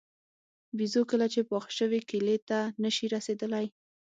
بېزو کله چې پاخه شوي کیلې ته نه شي رسېدلی.